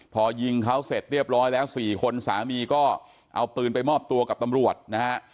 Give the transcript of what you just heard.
พอยิงเขาเสร็จเรียบร้อยแล้ว๔คนสามีก็เอาปืนไปมอบตัวกับตำรวจนะฮะ